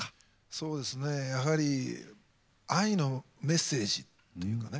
そうですねやはり愛のメッセージというかね